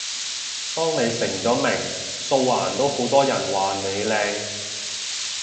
當你成咗名，素顏都好多人話你靚